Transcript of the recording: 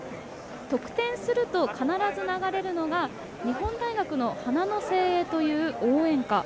得点すると必ず流れるのが日本大学の「花の精鋭」という応援歌。